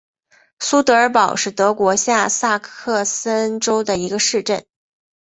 苏德尔堡是德国下萨克森州的一个市镇。